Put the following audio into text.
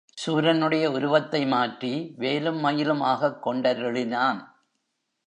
சூரனுடைய உருவத்தை மாற்றி வேலும் மயிலுமாகக் கொண்டருளினான்.